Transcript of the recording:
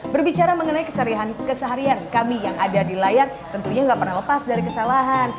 berbicara mengenai keseharian kami yang ada di layar tentunya nggak pernah lepas dari kesalahan